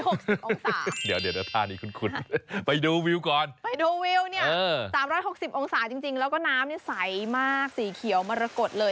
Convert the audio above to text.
๓๖๐องศาไปดูวิวก่อน๓๖๐องศาจริงแล้วก็น้ำใสมากสีเขียวมรกฎเลย